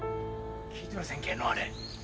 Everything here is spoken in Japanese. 聞いてませんけぇのぅあれ。